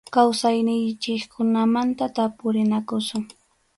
Kawsayninchikkunamanta tapurinakusun.